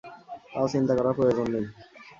তাও চিন্তা করার প্রয়োজন নেই।